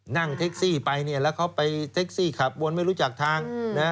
นั่งแท็กซี่ไปเนี่ยแล้วเขาไปเท็กซี่ขับวนไม่รู้จักทาง